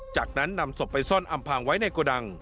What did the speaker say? จากนั้นนำศพไปซ่อนอำพางไว้ในโกดัง